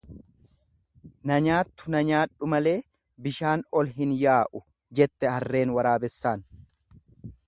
Na nyaattu na nyaadhu malee bishaan ol hin yaa'u jette harreen waraabessaan.